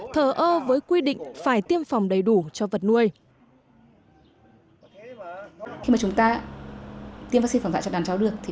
thờ ơ với quy định phải tiêm phòng đầy đủ cho vật nuôi